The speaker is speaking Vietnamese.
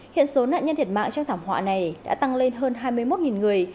hiện số nạn nhân thiệt mạng trong thảm họa này đã tăng lên hơn hai mươi một người